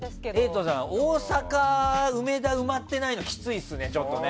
瑛人さん、大阪・梅田埋まってないのきついですね。